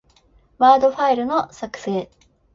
ワードファイルの、作成